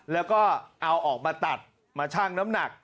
แล้วก็เอาออกมาตัดมาชั่งน้ำหนัก